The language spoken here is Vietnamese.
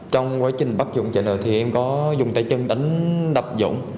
trong quá trình bắt dũng chạy đời thì em có dũng tay chân đánh đập dũng